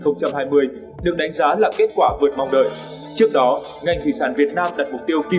năm hai nghìn hai mươi được đánh giá là kết quả vượt mong đợi trước đó ngành thủy sản việt nam đặt mục tiêu kim